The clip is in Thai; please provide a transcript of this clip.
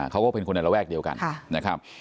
เขาก็เป็นคนในระแวกเดียวกันนะครับ